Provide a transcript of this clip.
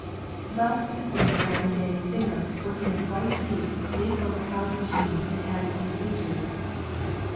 Thus in the course of eleven days, Singer,, working at white heat, made over Howe's machine and added new features.